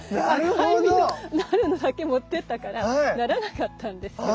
赤い実のなるのだけ持ってったからならなかったんですよ。